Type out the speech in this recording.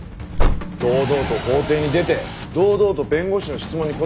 堂々と法廷に出て堂々と弁護士の質問に答えりゃいいの。